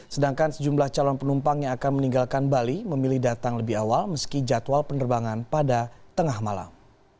sedangkan sejumlah calon penumpang yang akan meninggalkan bali memilih datang lebih awal meski jadwal penerbangan pada tengah malam